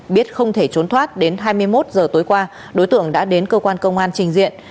biết không thể trốn thoát đến hai mươi một giờ tối qua đối tượng đã đến cơ quan công an trình diện